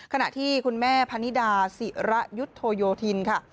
ขณะที่คุณแม่พนิดาศิระยุทธโยธินค่ะ